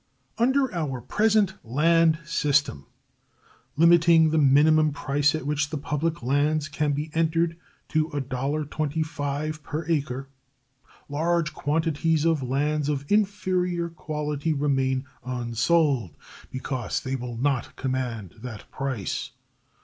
Under our present land system, limiting the minimum price at which the public lands can be entered to $1.25 per acre, large quantities of lands of inferior quality remain unsold because they will not command that price.